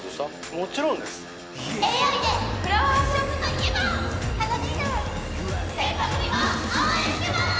もちろんですＡＩでフラワーショップといえば花ヴィーナスてんぱ組も応援してます！